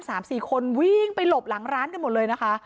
สามสี่คนวิ่งไปหลบหลังร้านกันหมดเลยนะคะ